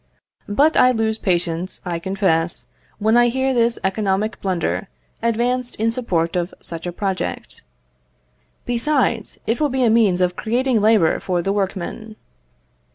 But I lose patience, I confess, when I hear this economic blunder advanced in support of such a project "Besides, it will be a means of creating labour for the workmen."